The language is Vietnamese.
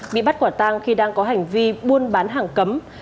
bị bắt quả tang khi đang có hành vi buôn bán hàng cấm